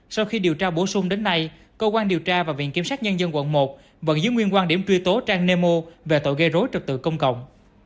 sau khi điều tra bổ sung đến nay cơ quan điều tra và viện kiểm sát nhân dân quận một vẫn giữ nguyên quan điểm truy tố trang nemo về tội gây rối trực tự công cộng